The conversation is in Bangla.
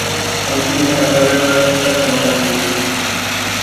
আমি সেখানে থাকার সময় তাদের দেখেছি।